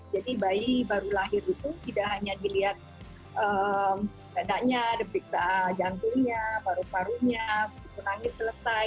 jadi bayi baru lahir tidak hanya dilihat dada jantung paru paru punangis selesai